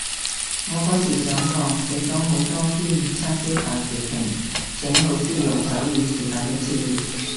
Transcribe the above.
我嗰時上堂寫咗好多篇叉燒飯食評，請老師用手語示範一次